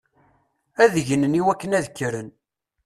Ad gnen iwakken ad kkren.